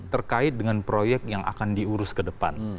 terkait dengan proyek yang akan diurus ke depan